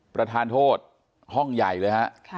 ประธานโทษห้องใหญ่เลยฮะ